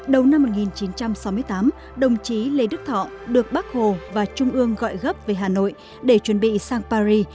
đầu năm một nghìn chín trăm sáu mươi tám đồng chí lê đức thọ được bác hồ và trung ương gọi gấp về hà nội để chuẩn bị sang paris